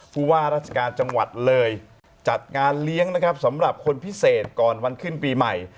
ผู้ว่าราชการจังหวัดเลยจัดงานเลี้ยงนะครับสำหรับคนพิเศษก่อนวันขึ้นปีใหม่